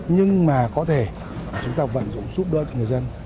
nhưng mà có thể chúng ta vẫn giúp đỡ cho người dân